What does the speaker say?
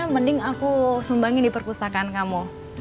mende yang aku sumbangin diperpustakaan kamu